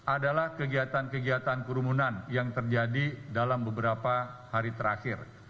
adalah kegiatan kegiatan kerumunan yang terjadi dalam beberapa hari terakhir